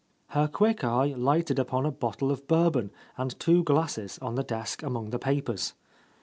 Her quick eye lighted upon a bottle of Bourbon and two glasses on the desk among the papers.